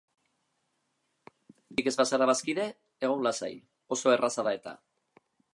Oraindik ez bazara bazkide, egon lasai, oso erraza da-eta!